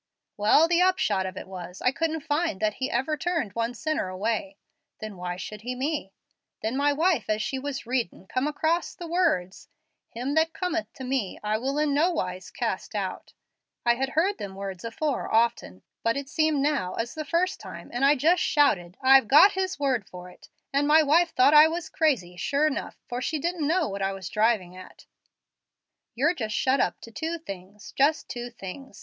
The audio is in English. "Well, the upshot of it was, I couldn't find that He ever turned one sinner away. Then why should He me? Then my wife, as she was readin', come across the words, 'Him that cometh to Me I will in no wise cast out.' I had heard them words afore often, but it seemed now as the first time, and I just shouted, 'I've got His word for it,' and my wife thought I was crazy, sure 'nuff, for she didn't know what I was drivin' at. And now, Mr. Gregory, you're just shut up to two things, just two things.